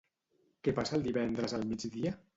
Què passa el divendres al migdia?